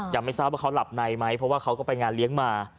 ยังไม่ทราบว่าเขาหลับในไหมเพราะว่าเขาก็ไปงานเลี้ยงมา